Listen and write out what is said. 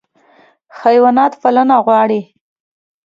حیوانات پالنه غواړي.